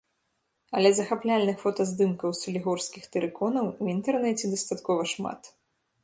Але захапляльных фотаздымкаў салігорскіх тэрыконаў у інтэрнэце дастаткова шмат.